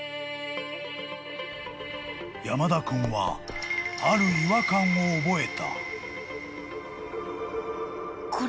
［山田君はある違和感を覚えた］